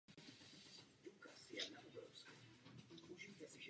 Za dva dny tu vystoupí Palestinec.